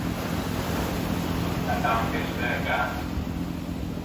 Cattâ un pesso de recangio.